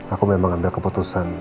aku memang ambil keputusan